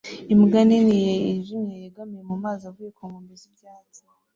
Imbwa nini yijimye yegamiye mumazi avuye ku nkombe z'ibyatsi